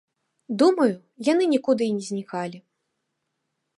Думаю, яны нікуды і не знікалі.